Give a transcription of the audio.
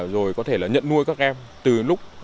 rồi có thể nhận nuôi các em từ lúc